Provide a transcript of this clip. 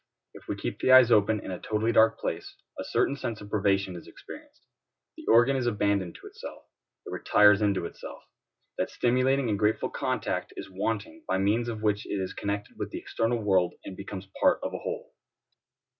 If we keep the eyes open in a totally dark place, a certain sense of privation is experienced. The organ is abandoned to itself; it retires into itself. That stimulating and grateful contact is wanting by means of which it is connected with the external world, and becomes part of a whole.